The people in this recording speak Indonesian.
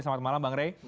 selamat malam bang ray